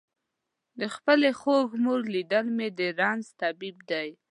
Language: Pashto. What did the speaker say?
د خپلې خوږ مور لیدل مې د رنځ طبیب دی.